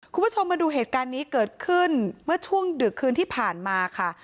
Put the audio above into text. คุณผู้ชมมาดูเหตุการณ์นี้เกิดขึ้นเมื่อช่วงดึกคืนที่ผ่านมาค่ะ